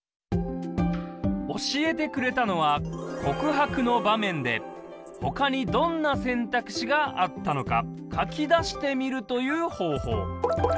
教えてくれたのは告白の場面で他にどんな選択肢があったのか書き出してみるという方法。